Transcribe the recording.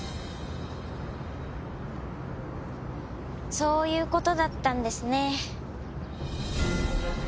そういう事だったんですね。